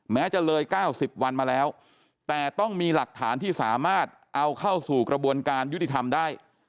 แม้จะเลย๙๐วันมาแล้วแต่ต้องมีหลักฐานที่สามารถเอาเข้าสู่กระบวนการยุติธรรมได้